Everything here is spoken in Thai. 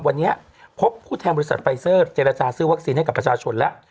วันนี้พบผู้แทนบริษัทไฟเซอร์เจรจาซื้อวัคซีนให้กับประชาชนแล้ว